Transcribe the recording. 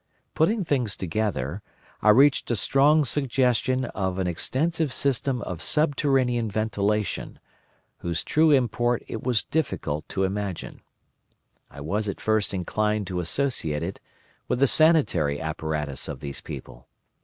Putting things together, I reached a strong suggestion of an extensive system of subterranean ventilation, whose true import it was difficult to imagine. I was at first inclined to associate it with the sanitary apparatus of these people.